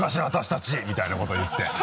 私たち」みたいなこと言って。